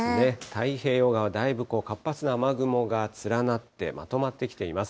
太平洋側、だいぶ活発な雨雲が連なって、まとまってきています。